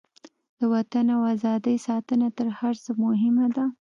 د وطن او ازادۍ ساتنه تر هر څه مهمه ده.